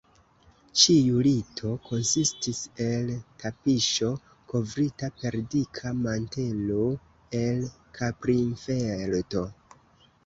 Ĉiu lito konsistis el tapiŝo, kovrita per dika mantelo el kaprinfelto.